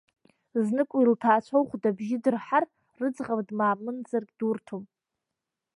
Знык уи лҭаацәа ухәда абжьы дырҳазар рыӡӷаб дмаамынзаргьы дурҭом.